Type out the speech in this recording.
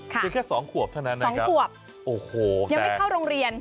เพียงแค่๒ขวบเท่านั้นนะ๒ขวบโอ้โหยังไม่เข้าโรงเรียน